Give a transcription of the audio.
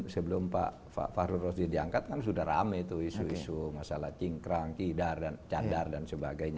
sebelum pak fahdur rosti diangkat kan sudah rame itu isu isu masalah cingkrang cadar dan sebagainya